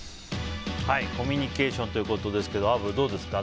コミュニケーションということですけどアブ、どうですか？